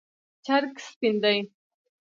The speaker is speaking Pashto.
چرګ سپین دی